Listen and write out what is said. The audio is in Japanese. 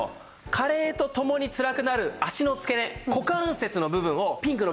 加齢とともにつらくなる脚のつけ根股関節の部分をピンクの部分ですね